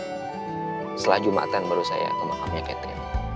setelah jumatan baru saya ke makamnya catherine